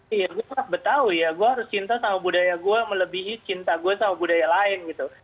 iya gue pasti tahu ya gue harus cinta sama budaya gue melebihi cinta gue sama budaya lain gitu